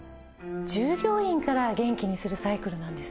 従業員から元気にするサイクルなんですね。